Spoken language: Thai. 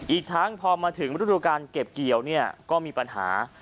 อีกทั้งพอมาถึงรุ่นการเก็บเกี่ยวก็มีปัญหา